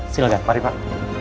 silakan mari pak